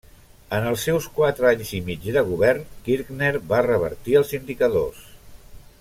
En els seus quatre anys i mig de govern, Kirchner va revertir els indicadors.